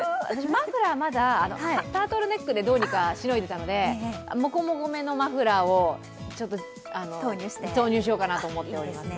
マフラー、まだタートルネックでなんとかしのいでいたのでもこもこめのマフラーを投入しようかなと思っております。